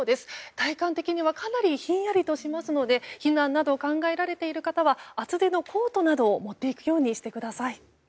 体感的にはかなりひんやりとしますので避難などを考えられている方は厚手のコートなどを持っていくようにしてください。